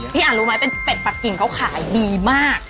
อ่านรู้ไหมเป็นเป็ดปะกิ่งเขาขายดีมาก